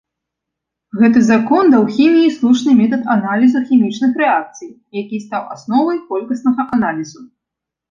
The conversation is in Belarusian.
Гэты закон даў хіміі слушны метад аналізу хімічных рэакцый, які стаў асновай колькаснага аналізу.